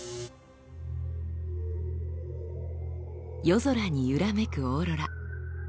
夜空に揺らめくオーロラ。